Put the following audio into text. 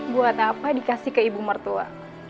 buat apa dikasih ke ibu mertua